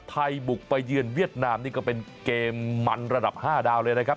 ไทยบุกไปเยือนเวียดนามนี่ก็เป็นเกมมันระดับ๕ดาวเลยนะครับ